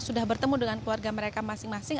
sudah bertemu dengan keluarga mereka masing masing